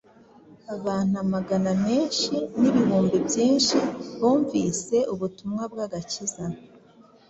Abantu amagana menshi n’ibihumbi byinshi bumvise ubutumwa bw’agakiza